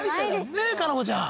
ねえ夏菜子ちゃん。